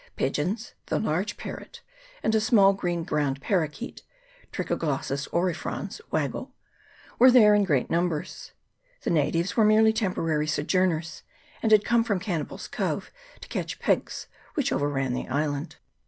Pigeons, the large parrot, and a small green ground perrokeet (tricho glossus aurifrons, Wagl.), were there in great num bers. The natives were merely temporary sojourners, and had come from Cannibals' Cove to catch pigs, which overrun the island.